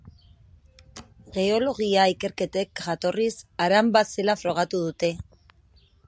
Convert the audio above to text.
Geologia ikerketek jatorriz haran bat zela frogatu dute.